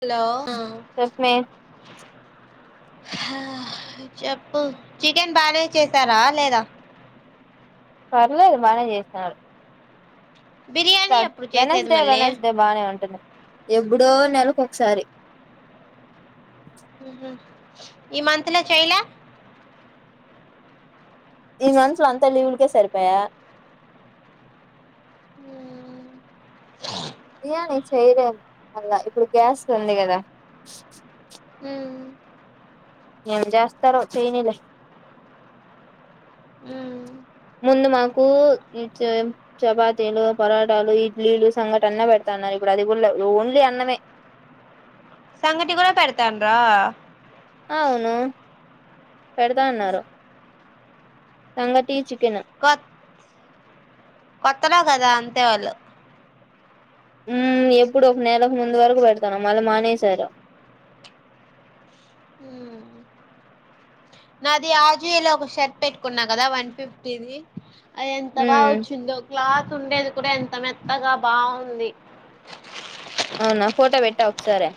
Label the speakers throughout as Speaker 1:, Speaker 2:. Speaker 1: Hello ఆ
Speaker 2: చెప్పే
Speaker 1: హా చెప్పు చికెన్ బానే చేసారా లేదా
Speaker 2: పర్లేదు బానే చేస్తున్నారు
Speaker 1: బిర్యానీ
Speaker 2: స
Speaker 1: ఎప్పుడు చేసేది
Speaker 2: వెనస్డే
Speaker 1: మళ్ళీ
Speaker 2: వెనస్డే బానే ఉంటుంది ఎప్పుడో నెలకు ఒకసారి
Speaker 1: ఉహూ ఈ మంత్ లో చేయలే
Speaker 2: ఈ మంత్ లో అంతా లీవ్లకే సరిపోయా
Speaker 1: హ్మ్మ్
Speaker 2: బిర్యానీ చేయలేం మళ్ళా ఇప్పుడు గ్యాస్ ఉంది కదా
Speaker 1: హ్మ్మ్
Speaker 2: ఏం చేస్తారో చైనీలే ముందు మాకు చపాతీలు పరాటాలు ఇడ్లీలు సంగటీ అన్న పెడతాన్నారు ఇప్పుడు అది కూడా ఓన్లీ అన్నమే
Speaker 1: సంగటి కూడా పెడతాన రా
Speaker 2: అవును పెడతా అన్నారు సంగటి చికెన్ తిన్న
Speaker 1: కొత్త లో కదా అంతే వాళ్ళు
Speaker 2: ఉ ఎప్పుడు ఒక నెలకు ముందు వరకు పెడతాను మళ్ళీ మానేసారు
Speaker 1: నాది ఆ జియో లో ఒక షర్ట్ పెట్టుకున్నా కదా వన్ ఫిఫ్టీది అ ఎంత బాగా
Speaker 2: మ్మ్
Speaker 1: వచ్చిందో క్లాత్ ఉండేది ప్పు ఎంత మెత్తగా బాగుంది
Speaker 2: అవునా ఫోటో పెట్టా ఒకసారి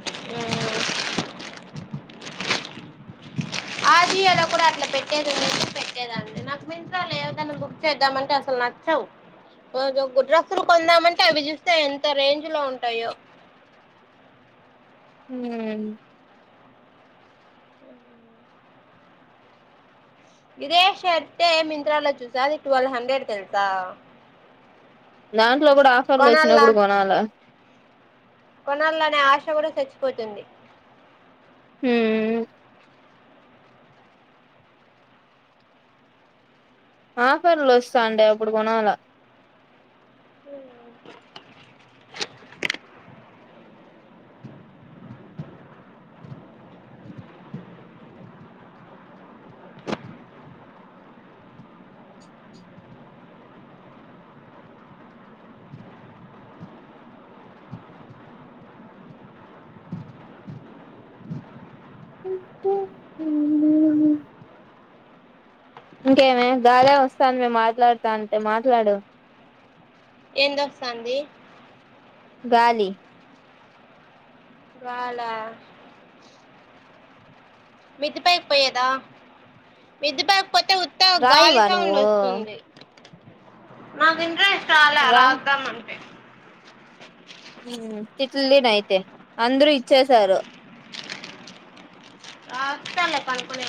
Speaker 1: హ్మ్మ్ ఆ జియో లో కూడా అట్లా పెట్టేది ఉంటే పెట్టేదాన్ని నాకు మింత్ర లేదు గా ఏదైనా బుక్ చేద్దామంటే అసలు నచ్చవుడ్రస్సులు కొందామంటే అవి చూస్తే ఎంత రేంజ్ లో ఉంటాయో
Speaker 2: హ్మ్మ్
Speaker 1: ఇదే షర్టే మింత్రా లో చూసా అది ట్వల్వ్ హండ్రెడ్ తెలుసా
Speaker 2: దాంట్లో కూడా ఆఫర్లు వచ్చినప్పుడు కొనాలా
Speaker 1: కొనాల అనే ఆశ కూడా చచ్చిపోతుంది
Speaker 2: హ ఆఫర్లు వస్తా అండి అప్పుడు కొనాలా
Speaker 1: అ
Speaker 2: ఇంకేమే గాలె వస్తాను మేము మాట్లాడుతా అంటే మాట్లాడు
Speaker 1: ఎందొస్తంది
Speaker 2: గాలి
Speaker 1: వాలా మెదిపాయకి పోయదా మిదిపాయ
Speaker 2: రయివానువ
Speaker 1: నాగేన్ీ చాలా
Speaker 2: రాయ్
Speaker 1: రాద్దామ అంటే
Speaker 2: తిట్లుతిని అయితే అందరూ ఇచ్చసారు
Speaker 1: రాస్తాల కనుకునే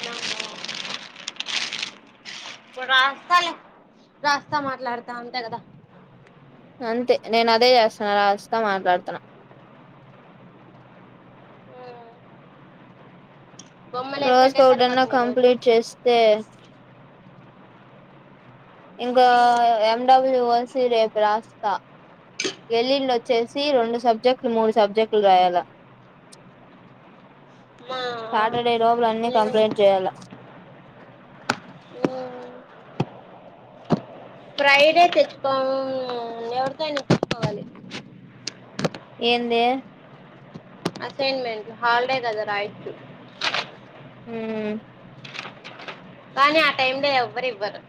Speaker 1: ఇప్పుడు రాస్తా లే రాస్తా మాట్లాడుతా అంతే కదా
Speaker 2: అంతే నేను అదే చేస్తన్నా రాస్తా మాట్లాడుతున్నా
Speaker 1: బొమ్మలు
Speaker 2: రాస్
Speaker 1: వేసాకే
Speaker 2: పౌడర్ న
Speaker 1: సరిపోతుంది ఈరోజు
Speaker 2: కంప్లీట్ చేస్తే ఇంకా ఎండబ్ల్యూఓసి రేపు రాస్తా ఎల్లిళ్ళ వచ్చేసి రెండు సబ్జెక్టులు మూడు సబ్జెక్టులు రాయాల
Speaker 1: మా
Speaker 2: సాటర్డే లొపలు అన్నిీ
Speaker 1: నేను
Speaker 2: కంప్లీట్ చేయాల
Speaker 1: ఫ్రైడే తెచ్చుకోము ఎవరితోైనికోవాలి
Speaker 2: ఏందే
Speaker 1: అసైన్మెంట్ హాల్డేగదా రాయోచ్చు
Speaker 2: హ
Speaker 1: కానీ ఆ టైమ్ లో ఎవ్వరు ఇవ్వరు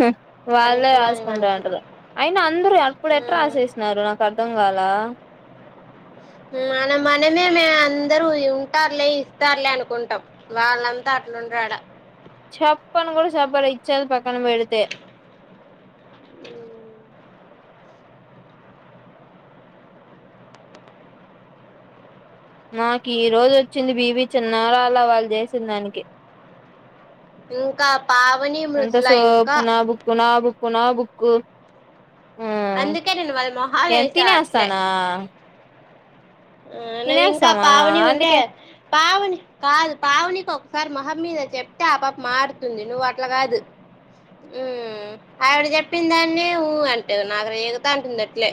Speaker 2: హ్ వాళ్ళే
Speaker 1: పనికిమాలిన
Speaker 2: రాసుకుంటారు
Speaker 1: మనుషులు
Speaker 2: అంటారు అయిన అందరూ అప్పుడే ఎట్లా
Speaker 1: ఉమ్.
Speaker 2: రాసేసినారు నాకు అర్థం కావాల ఆ
Speaker 1: మన మనమే మే అందరూ ఉంటారులే ఇస్తారులే అనుకుంటాం వాళ్ళంతా అట్లుండడా
Speaker 2: చప్పను కూడా చప్ప ర ఇచ్చది పక్కన పెడితే నాకు ఈ రోజు వచ్చింది బీవీ చిన్నారా అలా వాళ్ళు చేసిన దానికి
Speaker 1: ఇంకా పావని
Speaker 2: అంత
Speaker 1: మృదుల
Speaker 2: స
Speaker 1: ఇంకా
Speaker 2: పున బుక్ కున బుక్ కునాబుకు
Speaker 1: అందుకే నినువాాల మొహాలేస ఆట్లే
Speaker 2: తినేస్తానా
Speaker 1: ఆ నువ్ ఇంకా
Speaker 2: తినేస్తామా
Speaker 1: పావని ఉంటే
Speaker 2: అందుకే
Speaker 1: పావుని కాదు పావని ఒకసారి మొహమ్ మీద చెప్తే ఆపప మారుతుంది నువ్వు అట్లా కాదు ఆవిడ చెప్పిన దాన్నిేఊ అంటే నాగర ఏకత అంటుంది అట్లే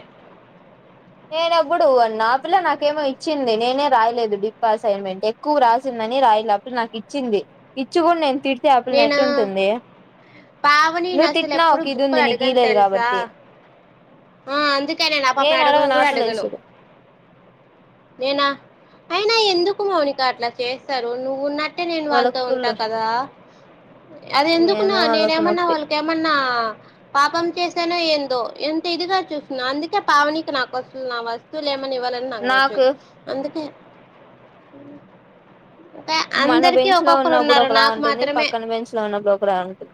Speaker 2: నేన ఎప్పుడు నా పిల్ల నాకేమో ఇచ్చింది నేనే రాయలేదు డిప్ అసైన్మెంట్ ఎక్కువ రాసిందని రాయ నా పిల్ల నాకు ఇచ్చింది ఇచ్చి కూడా నేను తిడితే ఆ పిల్ల
Speaker 1: నేను
Speaker 2: ఎట్టుంటుంది
Speaker 1: పావనిని
Speaker 2: నువ్వు
Speaker 1: అసలు
Speaker 2: తిట్టినా
Speaker 1: ఎప్పుడు
Speaker 2: ఒక ఇది
Speaker 1: బుక్కులు
Speaker 2: ఉంది నీకు
Speaker 1: అడిగని
Speaker 2: ఈలేదు
Speaker 1: తెలుసా
Speaker 2: కాబట్టి
Speaker 1: ఆ అందుకే నేను ఆ పాపని అడుగను
Speaker 2: నాపులైస
Speaker 1: నేనా అయినా ఎందుకు మౌనిక అట్లా చేస్తారు నువ్వున్నట్ అంటే నేను
Speaker 2: వాళ్ళ
Speaker 1: వాళ్ళతో ఉంటా
Speaker 2: కుళ్ళు
Speaker 1: కదా అది ఎందుకున్నా
Speaker 2: ఏమో
Speaker 1: నేన
Speaker 2: వాళ్ళకు
Speaker 1: ఏమన్నా
Speaker 2: నొప్పి
Speaker 1: వాళ్ళక ఏమన్నా పాపం చేయసానో ఏందో ఎంత ఇదిగా చూస్తున్నా అందుకే పావనికి నాకు వస్తు వస్తువులు ఏం మ ఇవ్వాలని నాకు నచ్చదు అందుకే అంటే
Speaker 2: మన
Speaker 1: అందరికి
Speaker 2: బెంచ్ లో
Speaker 1: ఒక్కొక్కరు
Speaker 2: ఉన్నప్పుడు
Speaker 1: ఉన్నారు
Speaker 2: ఒకలా
Speaker 1: నాకు
Speaker 2: ఉంటుంది
Speaker 1: మాత్రమే
Speaker 2: పక్కన బెంచ్ లో ఉన్నప్పుడు ఒకలా ఉంటుంది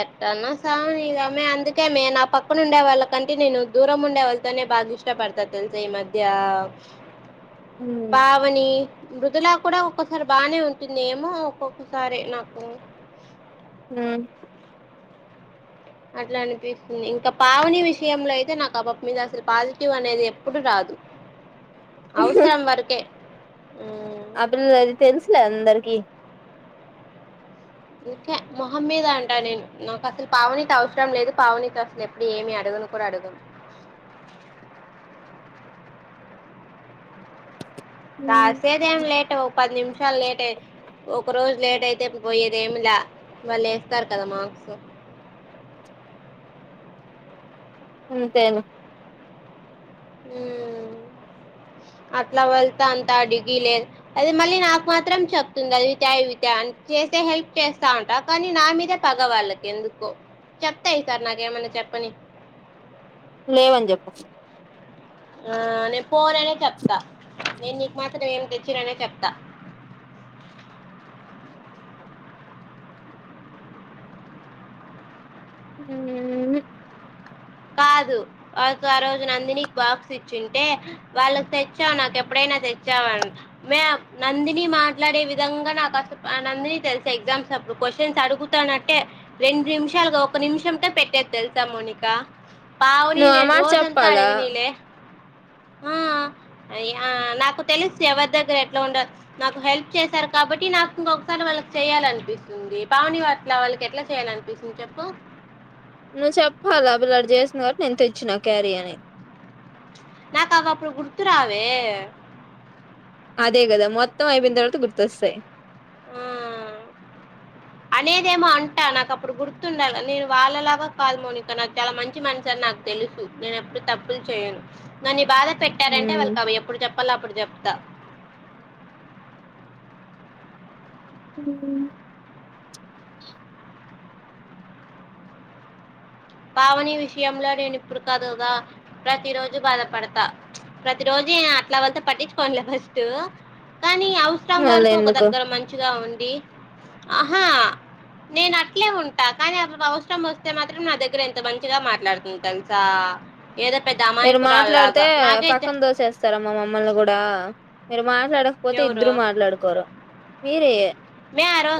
Speaker 1: ఎట్టన్నా సావని ఇగ మే అందుకేమే నా పక్కన ఉండే వాళ్ళ కంటే నేను దూరం ఉండే వాళ్ళతోనే బాగా ఇష్టపడతాను తెలుసా ఈ మధ్య పావని మృదులా కూడా ఒక్కొసారి బానే ఉంటుంది ఏమో ఒక్కొక్కసారి నాకు
Speaker 2: హ
Speaker 1: అట్లా అనిపిస్తుంది ఇంకా పావని విషయంలో అయితే నాకు అ పాప మీద అసలు పాజిటివ్ అనేది ఎప్పుడు రాదు అవసరం వరకే ఆ
Speaker 2: ఆ పిల్ అది తెలుసులే అందరికి
Speaker 1: ఇంకే మొహం మీద అంటా నేను నాకు అసలు పావనీత అవసరం లేదు పావనీతో అసలు ఎప్పుడు ఏమి అడగను కూడా అడుగను రాసేది ఏం లేట్ పది నిమిషాలు లేట్ ఏ ఒక రోజు లేట్ అయితే పోయేది ఏమిలే వాళ్ళు వస్తారు కదా మార్క్స్
Speaker 2: అంతేను
Speaker 1: హు అట్లా వెళ్తా అంత డిగ్రీ లేదు అది మళ్ళీ నాకు మాత్రం చెప్తుంది అవి తే ఇవి తే అని చేసే హెల్ప్ చేస్తా ఉంటా కానీ నా మీదే పగవాళ్ళకి ఎందుకో చెప్తాత ఈసారి నాకేమన్నా చెప్పని
Speaker 2: లేవని చెప్పు
Speaker 1: ఆ నేను పోననే చెప్తా నేను నీకు మాత్రం ఏమి తెచ్చిననే చెప్తా
Speaker 2: ఉహు
Speaker 1: కాదు వాళ్ళకు ఆ రోజు నందికి బాక్స్ ఇచ్చింటే వాళ్ళకి తెచ్చావు నాకు ఎప్పుడైనా తెచ్చావాని మే నందిని మాట్లాడే విధంగా నాకు అసలు నందిని తెలుసా ఎగ్జామ్స్ అప్పుడు క్యూస్షన్స్ అడుగుతానట్టే రెండు నిమిషాలుగా ఒక నిమిషంతో పెట్టేది తెలుసా మౌనిక పావని
Speaker 2: నువ్వు ఆ
Speaker 1: నేను
Speaker 2: మాట
Speaker 1: రోజ అంతా
Speaker 2: చెప్పాలా
Speaker 1: అడగనీయలే ఆ అయ నాకు తెలుసు ఎవరి దగ్గర ఎట్లా ఉండ నాకు హెల్ప్ చేశారు కాబట్టి నాకు ఇంకొకసారి వాళ్ళకి చెయ్యాలనిపిస్తుంది పావని అట్ల వాళ్ళకి ఎట్లా చెయ్యాలనిపిస్తుంది చెప్పు
Speaker 2: నువ్వు చెప్పాలా ఆ పిల్ల అట్ట చేసిందికాబట్టి నేను తెచ్చిన క్యరీ అని
Speaker 1: నాకా అక అప్పుడు గుర్తు రావే
Speaker 2: అదే కదా మొత్తం అయిపోన తర్వాత గుర్తొస్తాయి
Speaker 1: ఆ అనేది ఏమో అంటా నాకు అప్పుడు గుర్తుండాలి నేను వాళ్ళలాగా కాదు మౌనిక నాకు చాలా మంచి మనసు అని నాకు తెలుసు నేను ఎప్పుడు తప్పులు చేయను నన్నీ బాధ పెట్టారంటే
Speaker 2: ఉమ్
Speaker 1: వాళ్ళ కి అవి ఎప్పుడు చెప్పలో అప్పుడు చెప్తా
Speaker 2: [inaudible]
Speaker 1: పావని విషయంలో నేను ఇప్పుడు కాదుగా ప్రతి రోజు బాధపడతా ప్రతి రోజు అట్ల అవంత పట్టించుకోనులే ఫస్ట్ కానీ అవసరం
Speaker 2: మళ్ళీ
Speaker 1: వరకు ఒక
Speaker 2: ఎందుకు
Speaker 1: దగ్గర మంచిగా ఉ కి ఆహా నేను అట్లే ఉంటా కానీ అవసరం వస్తే మాత్రం నా దగ్గర నా దగ్గరఎంత మంచిగా మాట్లాడుతుంది తెలుసా ఏదో పెద్ద
Speaker 2: మీరు మాట్లాడితే
Speaker 1: అమాయకురాల్లాగా. నాకే జ
Speaker 2: పక్కన దోసేస్తారామ్మా మమ్మల్ని కూడా మీరు మా మాట్లాడకపోతే
Speaker 1: ఎవరు?
Speaker 2: ఇద్దరు మాట్లాడుకోరు మీరే
Speaker 1: మ్యారో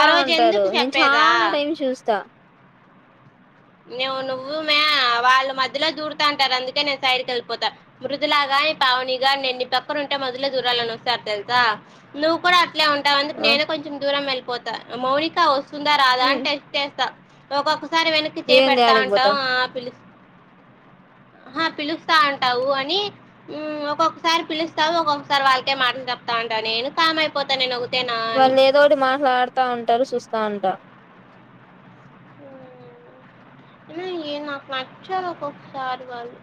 Speaker 1: ఆ
Speaker 2: ఉంటారు
Speaker 1: రోజెందుకు
Speaker 2: నేను
Speaker 1: చెప్పేదా?
Speaker 2: చాలా టైం చూస్తా
Speaker 1: మేము నువ్వు మే వాళ్ళు మధ్యలో దూరుతా అంటారు అందుకే నేను సైడ్కి వెళ్ళిపోతా, మృదులా గాని పావని గాని నేన్ని పక్కన ఉంటే మధ్యలో దూరాలని వస్తారు తెలుసా, నువ్వు కూడా ట్లే ఉంటావ్ అందుకు నేను కొంచం దూరం వెళ్ పోతా మౌనికా వస్ స్తుందా రాదా అని టెస్ట్ చేసా ఒక్కొక్కసారి వెనక్ చే
Speaker 2: ఏంది
Speaker 1: పెడతా
Speaker 2: యాడికి
Speaker 1: ఉంటాం
Speaker 2: పోతావ్
Speaker 1: ఆ పిలుస్ ఆహ పిలుస్తా అంటావు అని ఉమ్ ఒక్కొక్కసారి పిలుస్తావు ఒక్కొక్కసారి వాళ్ళకే మాటలు చెప్తా ఉంటావు నేను కామ్ అయిపోతాననే
Speaker 2: వాళ్ళు ఏదోకటి మాట్లాడుతా ఉంటారు చూస్ తాంటా
Speaker 1: నాకు నచ్చారు ఒక్కొక్కసారి వాళ్ళు,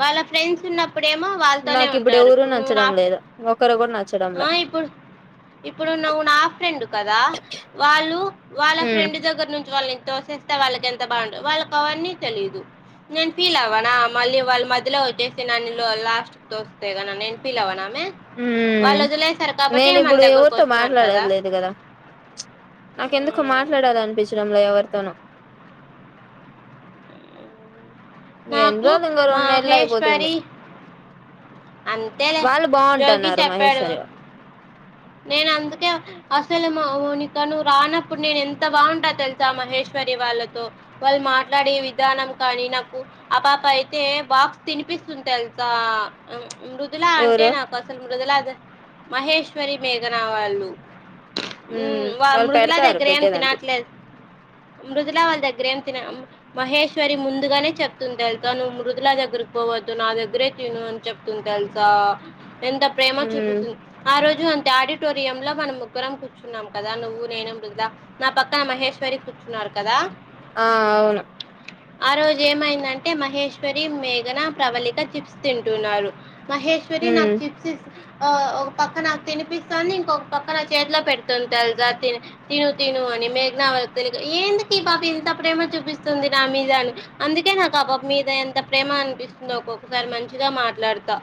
Speaker 1: వాళ్ళ ఫ్రెండ్స్ ఉన్న ప్పుడేమో వాళ్ళతోనే
Speaker 2: నాకు
Speaker 1: ఉంటారు
Speaker 2: ఎవరు
Speaker 1: ఇప్పుడు నువ్వు నా
Speaker 2: నచ్చడం లేదు ఒకరు కూడా నచ్చడంలే
Speaker 1: ఇప్పుడు ఇప్పుడు నువ్వు నా ఫ్రెండ్ కదా వాళ్ళు వాళ్ళ
Speaker 2: ఉమ్
Speaker 1: ఫ్రెండ్ దగ్గర నుంచి వాళ్ళ తోసేస్తే వాళ్ళకి ఎంత బాగుం వాళ్ళకి అవన్నీ తెలీదు నేను పీల్ అవ్వనా మళ్ళీ వాళ్ళు మధ్యలో వచ్చేసి నన్ని లాస్ట్ తోస్తే గ నేను పీల్ అవ్వనా
Speaker 2: ఉమ్ నేను
Speaker 1: మన
Speaker 2: ఇప్పుడు
Speaker 1: దగ్గరకి
Speaker 2: ఎవరితో
Speaker 1: వస్తున్నారు
Speaker 2: మాట్లాడలేదు కదా నాకెందుకో మాట్లాడాల అనిపించ లేక ఎవరితోనో ఇ ఎన్ని
Speaker 1: నాకు
Speaker 2: రోలు రెండు నేల్లో అయిపోతుంది
Speaker 1: మహేశ్వరి అంతేలే
Speaker 2: వాళ్ళు
Speaker 1: జోగి
Speaker 2: బావుంటున్నారు
Speaker 1: చెప్పాడు.
Speaker 2: మహేశ్వరి వాల్
Speaker 1: నేను అందుకే అసలు మావోనిక నువ్వు రానప్పుడు నేను ఎంత బాగుంటా తెలుసా మహేశ్వరి వాళ్ళతో వాళ్ళు మాట్లాడే విధానం కానీ, నాకు ఆ పాప అయితే బాక్స్ తినిపిస్తుంది తెలుసా మృదుల అంటే
Speaker 2: ఎవరు
Speaker 1: నాకు అసలు మృదులా మహేష్ శ్వరి మేఘనా వాళ్ళు ఉమ్ వా
Speaker 2: వాళ్ళు
Speaker 1: మృదులా
Speaker 2: పెడతారు
Speaker 1: దగ్గర ఏం
Speaker 2: పెట్టేదంటూ
Speaker 1: తినట్లేదు మృదులా వాళ్ళ దగ్గర ఏం తినే మహేశ్వరి ముందుగానే చెప్తుంది తెలుసా, నువ్వు మృదుల దగ్గరకి పోవద్దు నా దగ్గరే తిను అని చెప్తుంది తెలుసా ఎంత ప్రేమ
Speaker 2: ఉమ్
Speaker 1: చూపిస్తుంది, ఆ రోజ్ ను అంతే ఆడిటోరియంలా మనం ముగ్గురం కూర్చున్నాం కదా నువ్వు నేను మృదుల నా పక్కన మహేశ్వరి కూర్చున్నారు కదా
Speaker 2: ఆ అవును
Speaker 1: ఆ రోజు ఏమైందంటే మహేశ్వరి, మేఘన, ప్రవళిక చిప్స్ తింటున్నారు. మహేశ్వరి
Speaker 2: ఉమ్
Speaker 1: నాక్ చిప్స్ ఇస్ ఆ ఒక పక్కన తినిపిస్తుంది ఇంకొక పక్కన చేతిలో పెడుతుంది తెలుసా తిను తిను అని, మేఘనా వాళ్ళకి తెలిక ఎందుకు ఈ బాబు ఇంత ప్రేమ చూపిస్తుంది నా మీద అని, అందుకే నాకు ఆ బాబ్ మీద ఎంత ప్రేమ అనిపిస్తుందో ఒక్కొక్కసారి మంచిగా మాట్లాడుతా,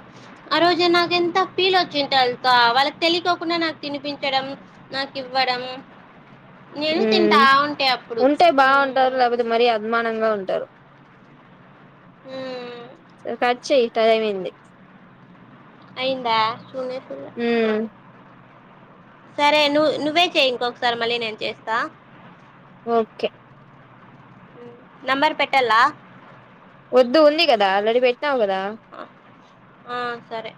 Speaker 1: ఆ రోజు నాకు ఎంత ఫీల్ వచ్చింది తెలుసా వాళ్ళకి తెలియకోకుండా నాకు తినిపించడం, నాకు ఇవ్వడం, నేను తింటా
Speaker 2: ఉమ్
Speaker 1: ఉంటే అప్పుడు.
Speaker 2: ఉంటే
Speaker 1: హ్మ్.
Speaker 2: బాగుంటారు, లేకపోతే మరీ అద్మానంగా ఉంటారు.
Speaker 1: హ్మ్.
Speaker 2: ఇగ్ కట్చేయ్యి టైమైంది అ
Speaker 1: అయిందా చూన్నే
Speaker 2: ఊ
Speaker 1: సరే నువ్వు నువ్వే చెయి ఇంకొకసారి మళ్ళీ నేను చేస్తా
Speaker 2: ఓకే
Speaker 1: నంబర్ పెట్టల్ల
Speaker 2: వద్దు ఉంది కదా ఆల్రెడి పెట్ వ్ కదా
Speaker 1: ఆ సరే